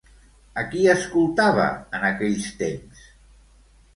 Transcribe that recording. A qui escoltava en aquells temps?